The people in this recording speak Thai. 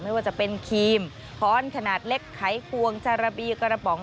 ไม่ว่าจะเป็นครีมค้อนขนาดเล็กไขควงจาระบีกระป๋อง